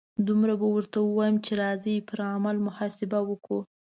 دومره به ورته ووایم چې راځئ پر عمل محاسبه وکړو.